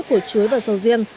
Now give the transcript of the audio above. của chuối và sầu riêng